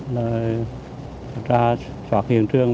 xác hiện trường